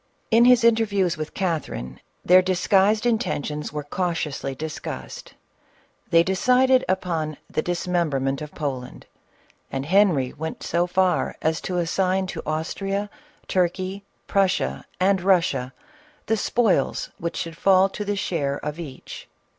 In his interviews with Catherine, their disguised in tentions were cautiously discussed. They decided upon the dismemberment of Poland, and Henry went so far as to assign to Austria, Turkey, Prussia and Russia, the spoils which should foil to the share of each.